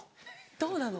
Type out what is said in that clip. どうなの？